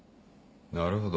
なるほど。